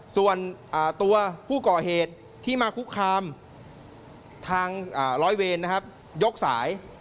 ส่วนตัวผู้ก่อเหตุที่มาคุกคามทางร้อยเวรนะครับยกสาย